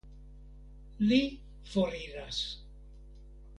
Li foriras.